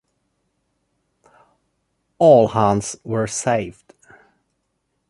All hands were saved.